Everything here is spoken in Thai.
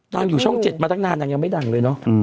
นางก็อยู่ช่อง๗สักนานยังไม่ดังเลยเนาะ